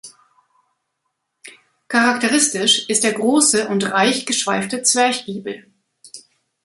Charakteristisch ist der große und reich geschweifte Zwerchgiebel.